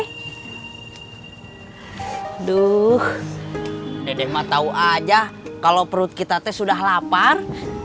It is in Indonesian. aduh dede ma tau aja kalau perut kita teh sudah lapar